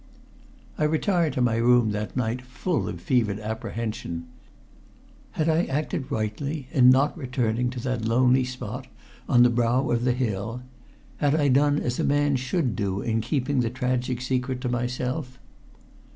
I retired to my room that night full of fevered apprehension. Had I acted rightly in not returning to that lonely spot on the brow of the hill? Had I done as a man should do in keeping the tragic secret to myself?